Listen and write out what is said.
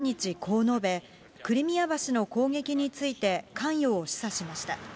ゼレンスキー大統領は１３日、こう述べ、クリミア橋の攻撃について、関与を示唆しました。